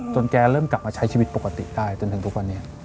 แกเริ่มกลับมาใช้ชีวิตปกติได้จนถึงทุกวันนี้